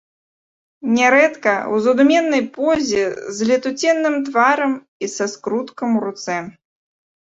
Нярэдка ў задуменнай позе, з летуценным тварам і са скруткам у руцэ.